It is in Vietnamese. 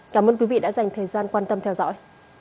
cảm ơn quý vị đã dành thời gian quan tâm theo dõi